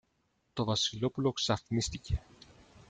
Το Βασιλόπουλο ξαφνίστηκε.